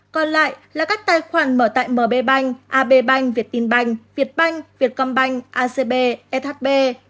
còn lại là các tài khoản mở tại mb banh ab banh việt tin banh việt banh việt công banh acb shb